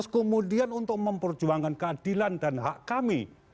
kemudian untuk memperjuangkan keadilan dan hak kami